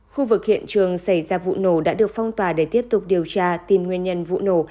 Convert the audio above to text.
khu vực hiện trường xảy ra vụ nổ đã được phong tỏa để tiếp tục điều tra tìm nguyên nhân vụ nổ